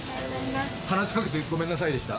話しかけてごめんなさいでした。